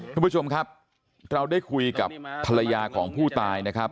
คุณผู้ชมครับเราได้คุยกับภรรยาของผู้ตายนะครับ